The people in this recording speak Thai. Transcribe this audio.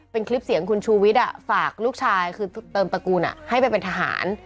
เป็นคลิปเสียงคุณชูวิทย์ฝากลูกชายคือเติมตระกูลให้ไปเป็นทหาร